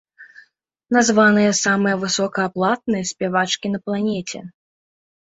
Названыя самыя высокааплатныя спявачкі на планеце.